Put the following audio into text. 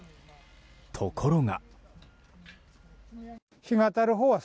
ところが。